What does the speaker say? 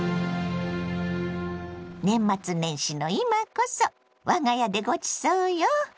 年末年始の今こそ我が家でごちそうよ。